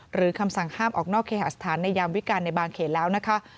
คำสั่งห้ามออกนอกเคหาสถานในยามวิการในบางเขตแล้วนะคะ